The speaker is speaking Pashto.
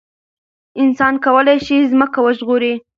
انسان کولای شي ځمکه وژغوري.